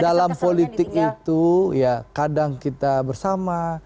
dalam politik itu ya kadang kita bersama